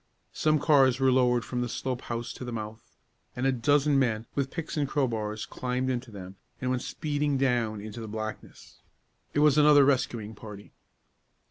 Some cars were lowered from the slope house to the mouth, and a dozen men, with picks and crowbars, climbed into them and went speeding down into the blackness. It was another rescuing party.